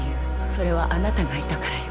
それはあなたがいたからよ。